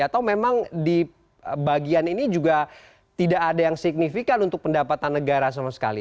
atau memang di bagian ini juga tidak ada yang signifikan untuk pendapatan negara sama sekali